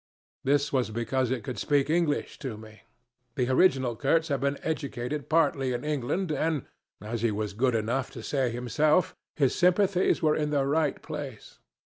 This was because it could speak English to me. The original Kurtz had been educated partly in England, and as he was good enough to say himself his sympathies were in the right place.